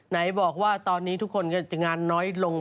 ไหนบอกว่าตอนนี้ทุกคนก็จะงานน้อยลง